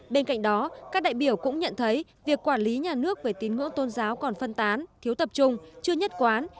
bên cạnh đó các đại biểu cũng nhận thấy việc quản lý nhà nước về tín ngưỡng tôn giáo còn phân tán thiếu tập trung chưa nhất quán